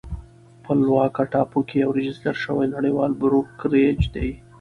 خپلواکه ټاپو کې یو راجستر شوی نړیوال بروکریج دی